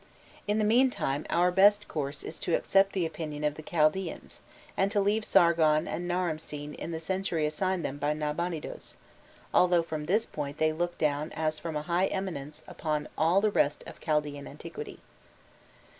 In the mean time our best course is to accept the opinion of the Chaldaeans, and to leave Sargon and Naramsin in the century assigned to them by Nabonidos, although from this point they look down as from a high eminence upon all the rest of Chaldaean antiquity.